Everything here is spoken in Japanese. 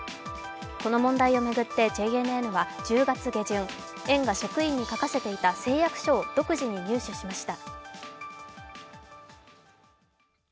この問題を巡って、ＪＮＮは１０月下旬、園が職員に書かせていた誓約書を独自に入手しました。